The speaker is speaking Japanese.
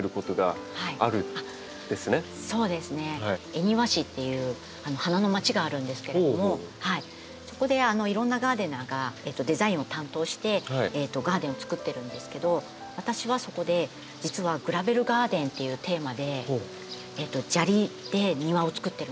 恵庭市っていう花の町があるんですけれどもそこでいろんなガーデナーがデザインを担当してガーデンをつくってるんですけど私はそこで実は「グラベルガーデン」っていうテーマで砂利で庭をつくってるんですよ。